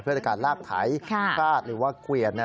เพื่อในการลากไถคราดหรือว่าเกวียน